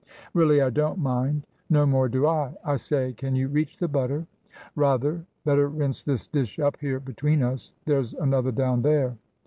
"Really I don't mind." "No more do I. I say, can you reach the butter?" "Rather. Better rinse this dish up here between us. There's another down there."